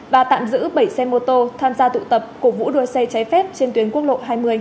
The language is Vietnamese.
và tạm giữ bảy xe mô tô tham gia tụ tập cổ vũ đua xe trái phép trên tuyến quốc lộ hai mươi